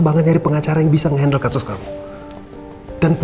mencari pengacara yang bisa mengendalikan